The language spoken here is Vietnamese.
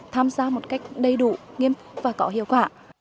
tham gia một cách đầy đủ nghiêm và có hiệu quả